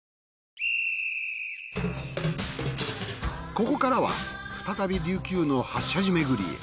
ここからは再び琉球の８社寺巡りへ。